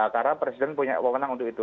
karena presiden punya kewenangan untuk itu